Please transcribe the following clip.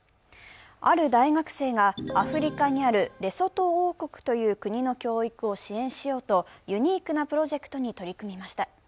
ある大学生がアフリカにあるレソト王国という国の教育を支援しようとユニークなプロジェクトに取り組みました。